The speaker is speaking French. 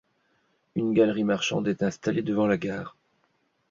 Une galerie marchande est installée devant la gare.